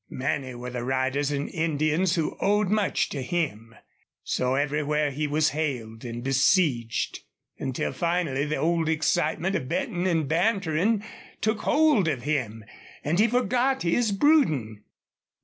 Many were the riders and Indians who owed much to him. So everywhere he was hailed and besieged, until finally the old excitement of betting and bantering took hold of him and he forgot his brooding.